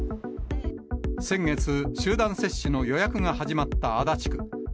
先月、集団接種の予約が始まった足立区。